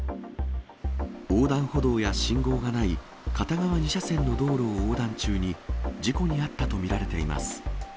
横断歩道や信号がない片側２車線の道路を横断中に事故に遭ったと見られています。